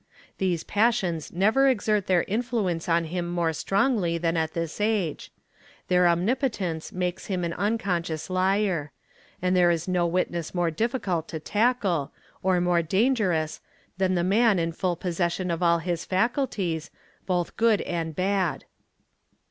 These passions never exert their influence on him more strongly than at this age; their omnipotence makes him an unconscious liar; and there is no witness more difficult to tackle, or more dangerous, than the man in full possession of all his faculties, both good and bad.